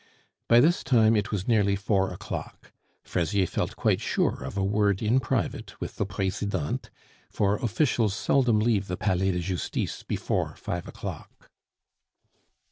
By this time it was nearly four o'clock. Fraisier felt quite sure of a word in private with the Presidente, for officials seldom leave the Palais de Justice before five o'clock.